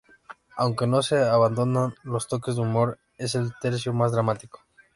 Aunque no se abandonan los toques de humor, es el tercio más dramático.